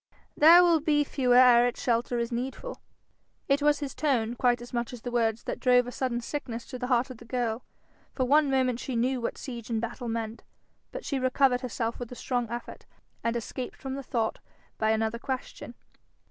'They will be fewer ere its shelter is needful.' It was his tone quite as much as the words that drove a sudden sickness to the heart of the girl: for one moment she knew what siege and battle meant. But she recovered herself with a strong effort, and escaped from the thought by another question.